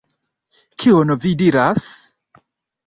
Kion vi diras?